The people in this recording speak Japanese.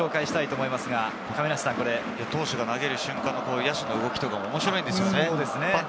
投手が投げる瞬間の野手の動きも面白いんですよね。